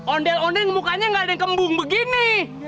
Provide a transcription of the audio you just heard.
ondel ondel mukanya nggak ada yang kembung begini